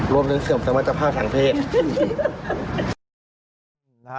รวมถึงเสื่อมสมรรถภาพทางเพศ